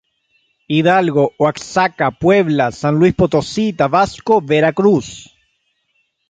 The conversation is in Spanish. Hidalgo, Oaxaca, Puebla, San Luis Potosí, Tabasco, Veracruz.